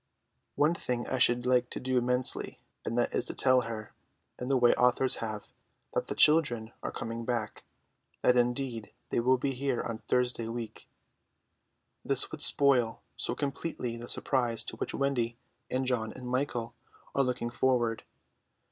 One thing I should like to do immensely, and that is to tell her, in the way authors have, that the children are coming back, that indeed they will be here on Thursday week. This would spoil so completely the surprise to which Wendy and John and Michael are looking forward.